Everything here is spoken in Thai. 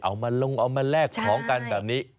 เอามาลงเอามาแลกของกันแบบนี้